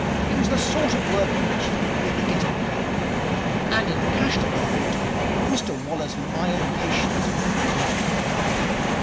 It was the sort of work on which he could really get a grip. And in the Cash Department, Mr Waller's mild patience had helped him through.